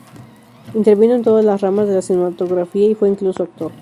Intervino en todas las ramas de la cinematografía y fue incluso actor.